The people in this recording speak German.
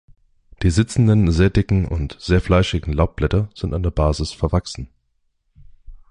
Die sitzenden, sehr dicken und sehr fleischigen Laubblätter sind an der Basis verwachsen.